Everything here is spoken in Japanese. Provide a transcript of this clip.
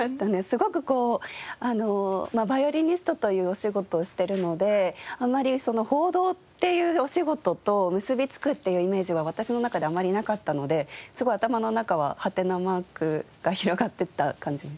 すごくこうヴァイオリニストというお仕事をしてるのであまり報道っていうお仕事と結びつくっていうイメージは私の中ではあまりなかったのですごい頭の中はハテナマークが広がってた感じです。